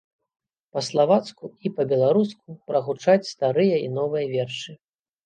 Па-славацку і па-беларуску прагучаць старыя і новыя вершы.